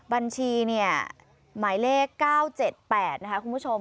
บัญชีเนี่ยหมายเลข๙๗๘นะคะคุณผู้ชม